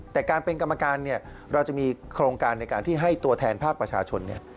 แต่การเป็นกรรมการเนี่ยเราจะมีโครงการในการที่ให้ตัวแทนภาคประชาชนเนี่ย